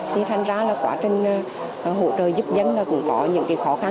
thì thành ra là quá trình hỗ trợ giúp dân là cũng có những cái khó khăn